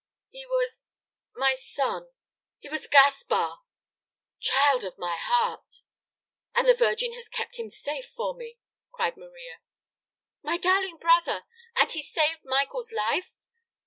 "He was my son. He was Gaspar!" "Child of my heart! And the Virgin has kept him safe for me!" cried Maria. "My darling brother! And he saved Michael's life!"